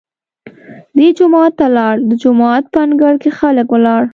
دی جومات ته لاړ، د جومات په انګړ کې خلک ولاړ.